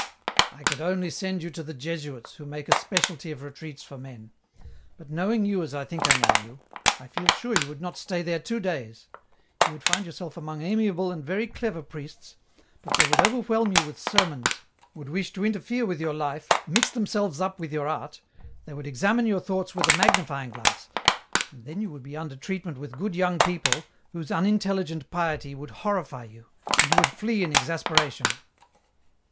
" I could only send you to the Jesuits, who make a specialty of retreats for men : but knowing you as I think I know you, I feel sure you would not stay there two days. You would find yourself among amiable and very clever priests, but they would overwhelm you with sermons, would wish to interfere with your life, mix themselves up with your art, they would examine your thoughts with a magnifying glass, and then you would be under treatment with good young people, whose unintelligent piety would horrify you, and you would flee in exasperation.